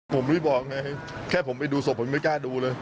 ผมไม่บอกไงแค่ผมไปดูศพผมยังไม่กล้าดูเลย